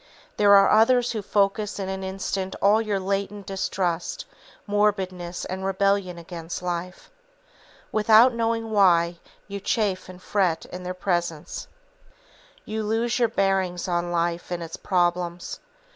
There are others who focus in an instant all your latent distrust, morbidness and rebellion against life. Without knowing why, you chafe and fret in their presence. You lose your bearings on life and its problems.